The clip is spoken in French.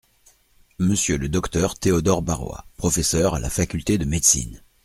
Monsieur le Dr Théodore Barrois, professeur à la Faculté de médecine.